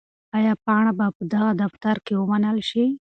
آیا پاڼه به په دغه دفتر کې ومنل شي؟